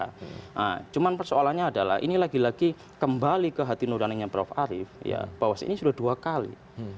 nah cuman persoalannya adalah ini lagi lagi kembali ke hati nuraninya prof arief ya bahwa ini sudah dua kali